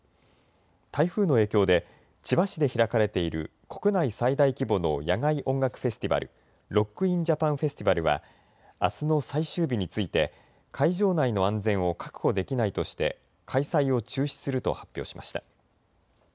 台風の影響で千葉市で開かれている国内最大規模の野外音楽フェスティバル、ロック・イン・ジャパン・フェスティバルはあすの最終日について会場内の安全を確保できないとして開催を中止すると発表しました。